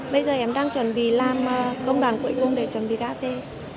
bây giờ em đang chuẩn bị làm công đoàn quậy cung để chuẩn bị đá tê